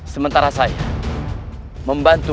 sementara saya membantu